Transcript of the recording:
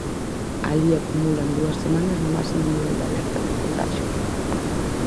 Alí acumulan dúas semanas no máximo nivel de alerta por contaxios.